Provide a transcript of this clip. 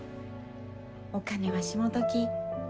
お金はしもとき。